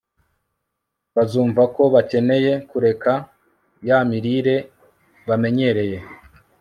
Bazumva ko bakeneye kureka ya mirire bamenyereye